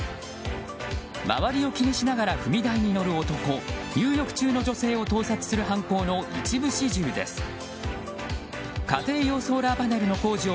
周りを気にしながら踏み台に乗る男入浴中の女性を盗撮する犯行の一部始終です。